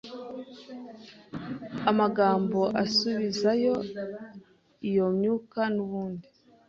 amagambo asubizayo iyo myuka nubundi